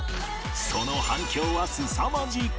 その反響はすさまじく